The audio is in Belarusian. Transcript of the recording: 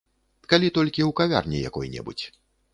Калі толькі ў кавярні якой-небудзь.